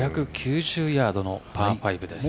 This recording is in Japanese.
５９０ヤードのパー５です。